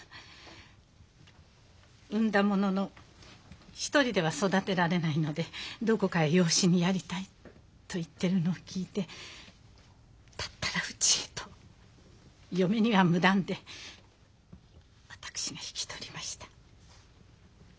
「産んだものの一人では育てられないのでどこかへ養子にやりたい」と言ってるのを聞いて「だったらうちへ」と嫁には無断で私が引き取りました。